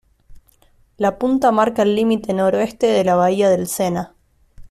La punta marca el límite noroeste de la bahía del Sena.